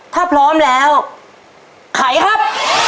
ถ้าพร้อมแล้วไขครับ